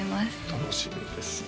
楽しみですね